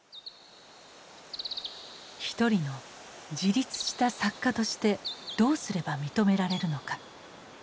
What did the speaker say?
一人の自立した作家としてどうすれば認められるのか。